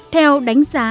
theo đánh giá